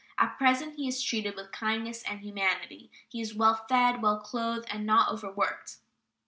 At present he is treated with kindness and humanity. He is well fed, well clothed, and not overworked.